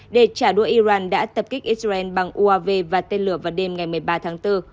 để trả đũa iran đã tập kích israel bằng uav và tên lửa vào đêm ngày một mươi ba tháng bốn